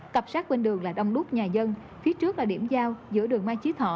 cập sát bên đường là đông lút nhà dân phía trước là điểm giao giữa đường mai chí thọ